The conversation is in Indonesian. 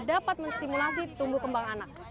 dapat menstimulasi tumbuh kembang anak